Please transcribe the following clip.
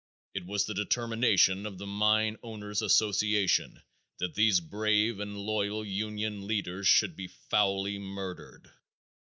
It was the determination of the Mine Owners' Association that these brave and loyal union leaders should be foully murdered.